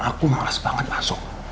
aku maras banget masuk